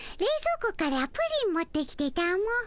庫からプリン持ってきてたも。